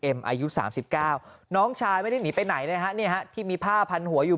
อายุ๓๙น้องชายไม่ได้หนีไปไหนนะฮะที่มีผ้าพันหัวอยู่